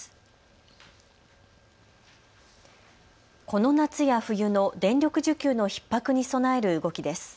この夏や冬の電力需給のひっ迫に備える動きです。